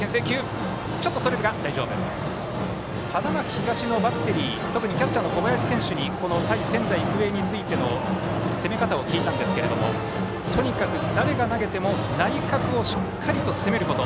花巻東のバッテリー特にキャッチャーの小林選手に対仙台育英の攻め方を聞いたんですけれどもとにかく誰が投げても内角をしっかりと攻めること。